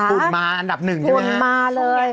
อุดมาอันดับหนึ่งใช่ไหมฮะอุดมาเลย